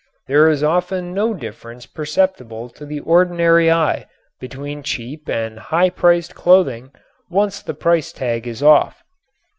There is often no difference perceptible to the ordinary eye between cheap and high priced clothing once the price tag is off.